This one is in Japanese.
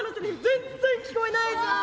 全然聞こえないじゃん。